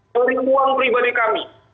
dari uang pribadi kami